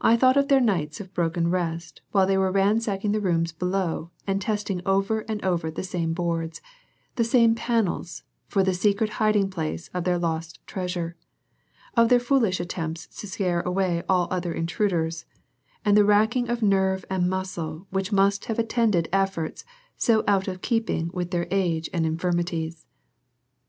I thought of their nights of broken rest while they were ransacking the rooms below and testing over and over the same boards, the same panels for the secret hiding place of their lost treasure, of their foolish attempts to scare away all other intruders, and the racking of nerve and muscle which must have attended efforts so out of keeping with their age and infirmities.